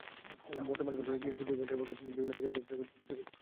বর্তমান পরিস্থিতিতে কৃষি বিভাগের পক্ষ থেকে বিভিন্ন মৌচাষির সঙ্গে যোগাযোগ করা হয়েছে।